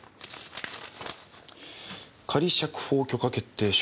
「仮釈放許可決定書」。